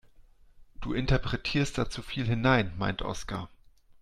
Du interpretierst da zu viel hinein, meint Oskar.